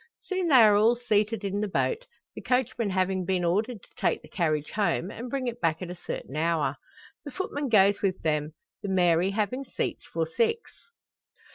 Soon they are all seated in the boat, the coachman having been ordered to take the carriage home, and bring it back at a certain hour. The footman goes with them the Mary having seats for six.